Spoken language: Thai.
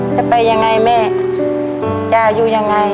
จะไปยังไงแม่จะอยู่ยังไง